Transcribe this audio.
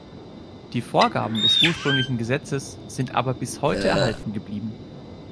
Die Vorgaben des ursprünglichen Gesetzes sind aber bis heute erhalten geblieben.